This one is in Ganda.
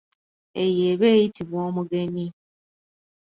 Eyo eba eyitibwa omugenyi.